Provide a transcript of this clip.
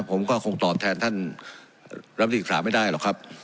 ผมก็คงตอบแทนท่านรัฐมนตรีศึกษาไม่ได้หรอกครับ